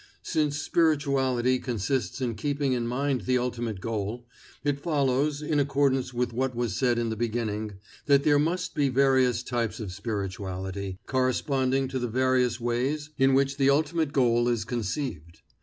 Since spirituality consists in keeping in mind the ultimate goal, it follows, in accordance with what was said in the beginning, that there must be various types of spirituality, corresponding to the various ways in which the ultimate goal is conceived.